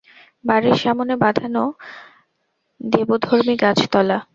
বাড়ির সামনে বাধানো দেবধর্মী গাছতলা।